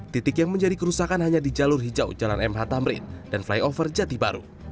titik yang menjadi kerusakan hanya di jalur hijau jalan mh tamrin dan flyover jati baru